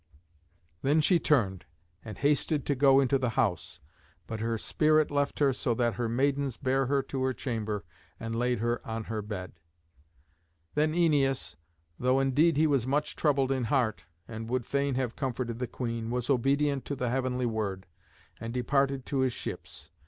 Then she turned, and hasted to go into the house. But her spirit left her, so that her maidens bare her to her chamber and laid her on her bed. Then Æneas, though indeed he was much troubled in heart, and would fain have comforted the queen, was obedient to the heavenly word, and departed to his ships.